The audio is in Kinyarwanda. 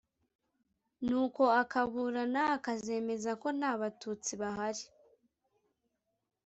Nuko akaburana akazemeza ko nta batutsi bahari.